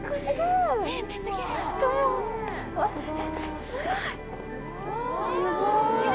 えすごい！